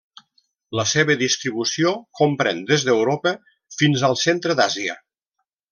La seva distribució comprèn des d'Europa fins al centre d'Àsia.